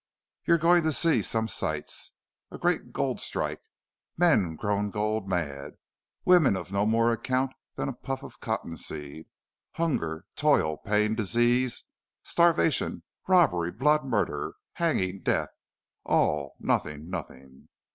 You're going to see some sights.... A great gold strike! Men grown gold mad! Woman of no more account than a puff of cottonseed!... Hunger, toil, pain, disease, starvation, robbery, blood, murder, hanging, death all nothing, nothing!